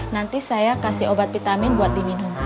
nanti saya kasih obat vitamin buat diminum